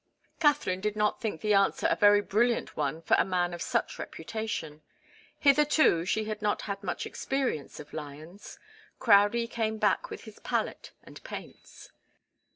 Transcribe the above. Katharine did not think the answer a very brilliant one for a man of such reputation. Hitherto she had not had much experience of lions. Crowdie came back with his palette and paints.